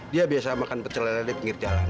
dia biasa makan pecelera di pinggir jalan